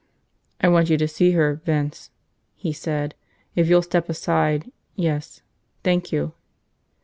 "I want you to see her, Vince," he said. "If you'll step aside – yes. Thank you."